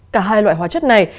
cả hai loại hóa chất này